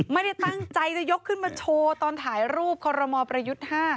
ไม่ได้ตั้งใจจะยกขึ้นมาโชว์ตอนถ่ายรูปคอรมอลประยุทธ์๕